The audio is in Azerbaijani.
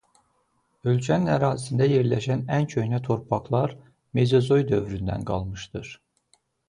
Ölkənin ərazisində yerləşən ən köhnə torpaqlar Mezozoy dövründən qalmışdır.